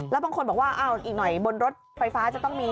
แล้วบางคนบอกว่าอ้าวอีกหน่อยบนรถไฟฟ้าจะต้องมี